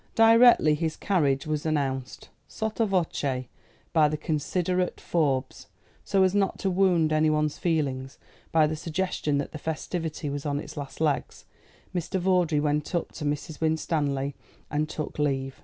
Directly his carriage was announced sotto voce by the considerate Forbes, so as not to wound anybody's feelings by the suggestion that the festivity was on its last legs Mr. Vawdrey went up to Mrs. Winstanley and took leave.